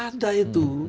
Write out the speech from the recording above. tidak ada itu